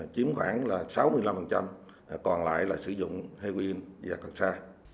chiếm khoảng sáu mươi năm còn lại là sử dụng heroin và càng xa